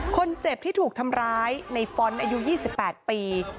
คนเจ็บที่ถูกทำร้ายในฟ้อนต์อายุ๒๘ปี